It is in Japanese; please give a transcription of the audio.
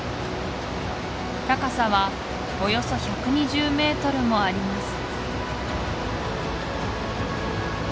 高さはおよそ１２０ｍもあります